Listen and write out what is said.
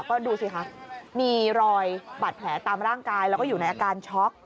ก็ดูสิคะมีรอยบาดแผลตามร่างกายแล้วก็อยู่ในอาการช็อก